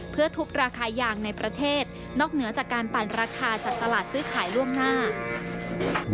เพื่อทุบราคายางในประเทศนอกเหนือจากการปั่นราคาจากตลาดซื้อขายล่วงหน้า